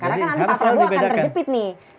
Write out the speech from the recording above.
karena kan nanti pak prabowo akan terjepit nih